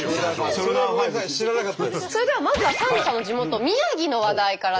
それではまずはサンドさんの地元宮城の話題からです。